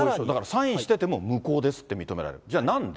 サインしてても無効ですって認められる。